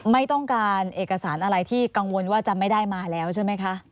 ไม่ต้องการเอกสารอะไรที่กังวลว่าจะไม่ได้มาแล้วใช่ไหมคะ